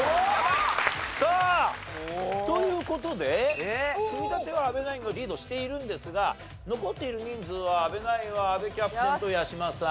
さあという事で積み立ては阿部ナインがリードしているんですが残っている人数は阿部ナインは阿部キャプテンと八嶋さん